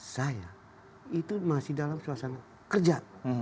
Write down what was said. saya itu masih dalam suasana kerja